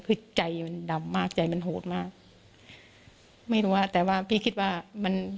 คือใจมันดำมากใจมันโหดมากไม่รู้อ่ะแต่ว่าพี่คิดว่ามัน